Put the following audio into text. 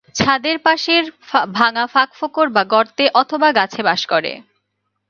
ছাদের পাশের ভাঙা ফাঁক-ফোঁকড় বা গর্তে অথবা গাছে বাস করে।